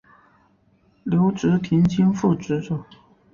留职停薪复职者